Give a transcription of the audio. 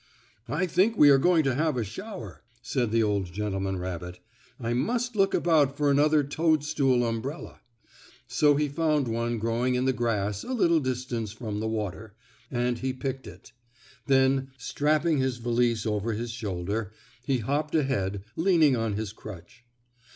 "I think we are going to have a shower," said the old gentleman rabbit. "I must look about for another toadstool umbrella." So he found one growing in the grass a little distance from the water, and he picked it. Then, strapping his valise over his shoulder, he hopped ahead, leaning on his crutch.